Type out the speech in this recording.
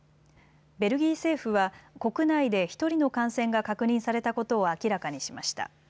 ベルギー政府は国内で１人の感染が確認されたことを明らかにしました。